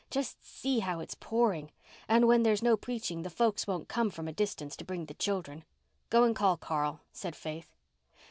Just see how it's pouring. And when there's no preaching the folks won't come from a distance to bring the children." "Go and call Carl," said Faith.